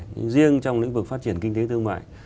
nhưng riêng trong lĩnh vực phát triển kinh tế thương mại